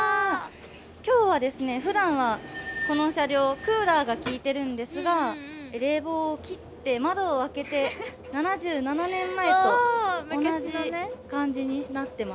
今日はですねふだんはこの車両クーラーが効いてるんですが冷房を切って窓を開けて７７年前と同じ感じになってます。